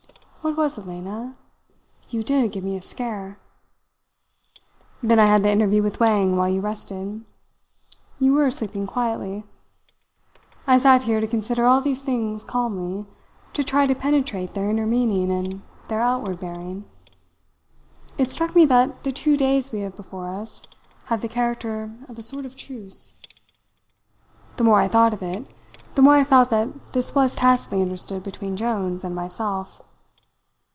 What was it, Lena? You did give me a scare! Then I had the interview with Wang while you rested. You were sleeping quietly. I sat here to consider all these things calmly, to try to penetrate their inner meaning and their outward bearing. It struck me that the two days we have before us have the character of a sort of truce. The more I thought of it, the more I felt that this was tacitly understood between Jones and myself.